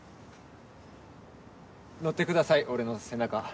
乗ってください俺の背中。